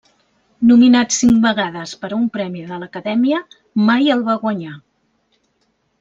Nominat cinc vegades per a un Premi de l'Acadèmia, mai el va guanyar.